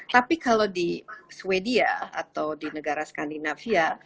tapi kalau di sweden atau di negara skandinavia